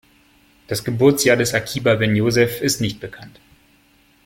Das Geburtsjahr des Akiba ben Josef ist nicht bekannt.